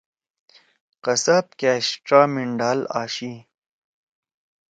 قصاب کیش ڇا مِنڈھال آشی۔